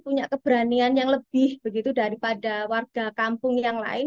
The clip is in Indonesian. punya keberanian yang lebih begitu daripada warga kampung yang lain